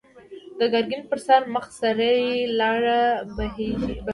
د ګرګين پر سره مخ سرې لاړې وبهېدې.